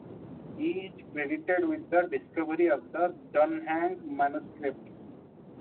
He is credited with the discovery of the Dunhuang manuscripts.